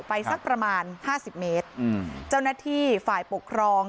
สักประมาณห้าสิบเมตรอืมเจ้าหน้าที่ฝ่ายปกครอง